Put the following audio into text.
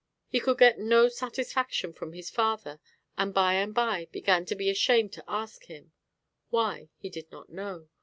He could get no satisfaction from his father and by and by began to be ashamed to ask him; why, he did not know.